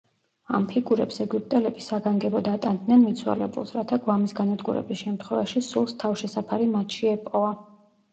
ამ ფიგურებს ეგვიპტელები საგანგებოდ ატანდნენ მიცვალებულს, რათა გვამის განადგურების შემთხვევაში სულს თავშესაფარი მათში ეპოვა.